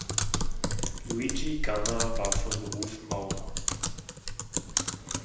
Luigi Ganna war von Beruf Maurer.